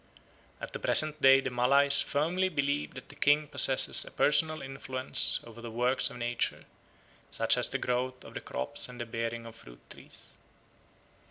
At the present day the Malays firmly believe that the king possesses a personal influence over the works of nature, such as the growth of the crops and the bearing of fruit trees.